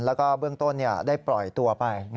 แล้วก็เบื้องต้นได้ปล่อยตัวไป